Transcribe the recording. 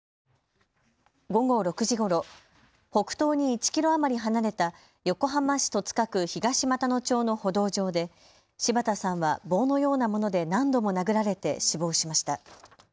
午後６時ごろ、北東に１キロ余り離れた横浜市戸塚区東俣野町の歩道上で柴田さんは棒のようなもので何度も殴られて死亡しました。